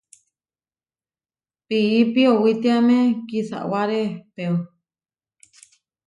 Piipi owítiame kisáware ehpéo.